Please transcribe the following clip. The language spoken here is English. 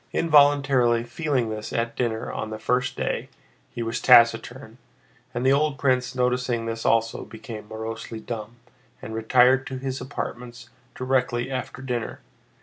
Involuntarily feeling this at dinner on the first day, he was taciturn, and the old prince noticing this also became morosely dumb and retired to his apartments directly after dinner.